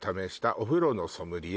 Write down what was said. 「お風呂のソムリエ」